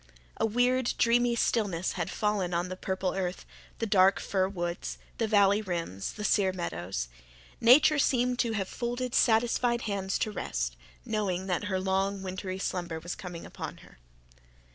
A weird, dreamy stillness had fallen on the purple earth, the dark fir woods, the valley rims, the sere meadows. Nature seemed to have folded satisfied hands to rest, knowing that her long wintry slumber was coming upon her.